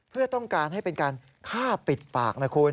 เพื่อต้องการให้เป็นการฆ่าปิดปากนะคุณ